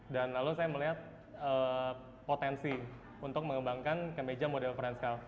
dan lalu saya melihat potensi untuk mengembangkan kemeja model french cuff